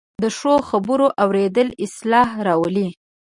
د ښو خبرو اورېدل اصلاح راولي